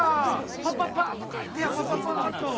パパパッと書いてやパパパッと。